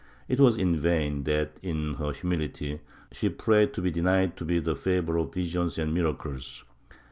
It was in vain that, in her humility, she prayed to be denied the favor of visions and miracles.